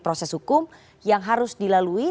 proses hukum yang harus dilalui